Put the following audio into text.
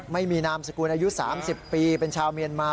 ไม่มีนามสกุลอายุ๓๐ปีเป็นชาวเมียนมา